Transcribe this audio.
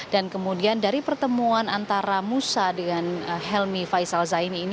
dan kemudian dari pertemuan antara musa dengan helmi faisal zaini ini